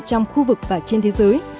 trong khu vực và trên thế giới